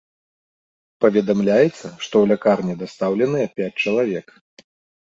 Паведамляецца, што ў лякарні дастаўленыя пяць чалавек.